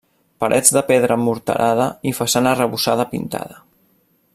Parets de pedra morterada i façana arrebossada pintada.